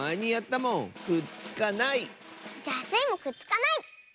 じゃあスイもくっつかない！